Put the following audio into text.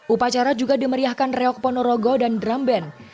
upacara juga dimeriahkan reok ponorogo dan dramben